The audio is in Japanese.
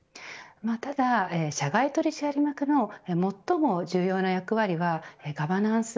ただ、社外取締役の最も重要な役割はガバナンス